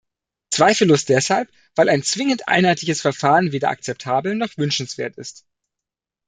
Zweifellos deshalb, weil ein zwingend einheitliches Verfahren weder akzeptabel noch wünschenswert ist.